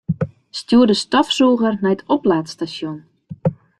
Stjoer de stofsûger nei it oplaadstasjon.